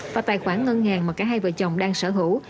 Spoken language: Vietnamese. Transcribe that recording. và tài khoản ngân hàng mà cả hai vợ chồng đang sở hữu